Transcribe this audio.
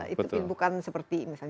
itu bukan seperti emas